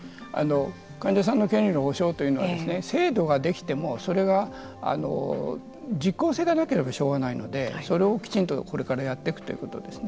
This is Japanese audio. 患者さんの権利の保障というのは制度ができてもそれが実効性がなければしょうがないのでそれを、きちんとこれからやっていくということですね。